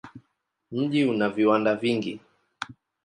Mji una viwanda vingi.